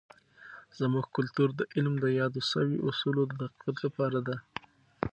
زموږ کلتور د علم د یادو سوي اصولو د تقویت لپاره دی.